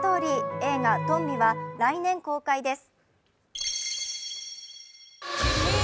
映画「とんび」は来年公開です。